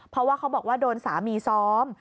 เพราะว่าเขาบอกว่าโดนสามีซ้อม